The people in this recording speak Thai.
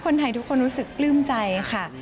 คนไทยทุกคนรู้สึกปลื้มใจค่ะ